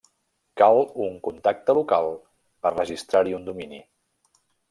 Cal un contacte local per registrar-hi un domini.